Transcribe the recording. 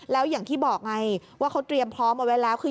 แล้วอย่างที่บอกไงว่าเขาเตรียมพร้อมเอาไว้แล้วคือ